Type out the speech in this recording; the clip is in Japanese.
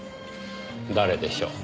誰でしょう？